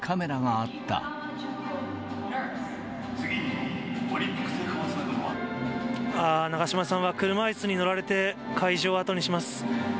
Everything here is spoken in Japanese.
あー、長嶋さんは車いすに乗られて、会場を後にします。